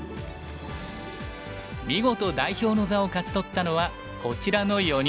見事代表の座を勝ち取ったのはこちらの４人。